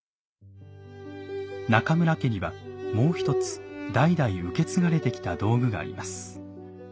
中村家にはもう一つ代々受け継がれてきた道具があります。